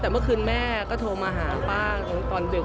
แต่เมื่อคืนแม่ก็โทรมาหาป้าตอนดึก